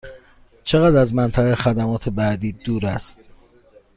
چقدر از منطقه خدمات بعدی دور است؟